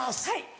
はい。